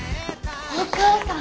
お母さん！